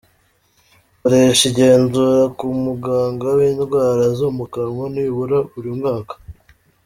Koresha igenzura ku muganga w’indwara zo mu kanwa nibura buri mwaka.